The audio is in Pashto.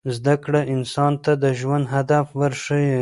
زده کړه انسان ته د ژوند هدف ورښيي.